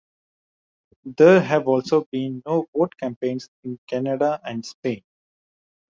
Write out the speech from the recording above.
There have also been no vote campaigns in Canada and Spain.